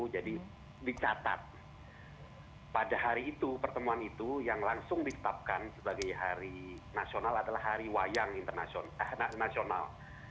jadi dicatat pada hari itu pertemuan itu yang langsung ditetapkan sebagai hari nasional adalah hari wayang nasional